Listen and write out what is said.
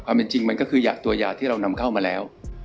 จริงมันก็คือตัวยาที่เรานำเข้ามาแล้ว